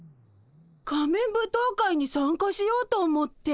仮面舞踏会に参加しようと思って。